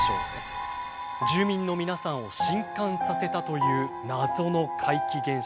住民の皆さんを震撼させたという謎の怪奇現象。